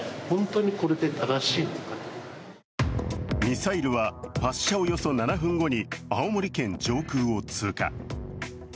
ミサイルは発射およそ７分後に青森県上空を通過。